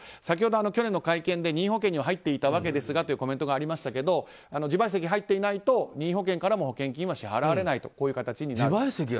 先ほど去年の会見で任意保険には入っていたわけですがとコメントがありましたけど自賠責に入っていないと任意保険からも保険金は支払われないという形になります。